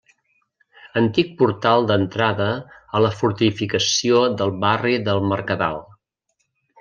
Antic portal d'entrada a la fortificació del barri del Mercadal.